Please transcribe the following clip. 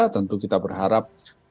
tentu kita berharap